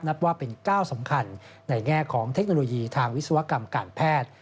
นับว่าเป็นก้าวสำคัญในแง่ของเทคโนโลยีทางวิศวกรรมการแพทย์